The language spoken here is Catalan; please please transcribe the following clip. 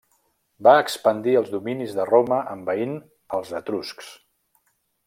Va expandir els dominis de Roma envaint als etruscs.